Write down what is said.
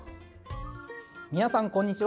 皆さん、こんにちは。